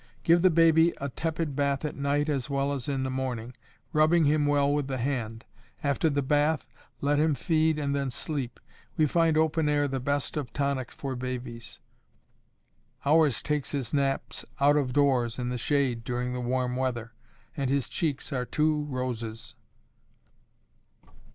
Give the baby a tepid bath at night as well as in the morning, rubbing him well with the hand. After the bath, let him feed and then sleep. We find open air the best of tonics for babies. Ours takes his naps out of doors in the shade during the warm weather, and his cheeks are two roses.